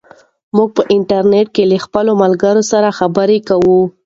موږ په انټرنیټ کې له خپلو ملګرو سره خبرې کوو.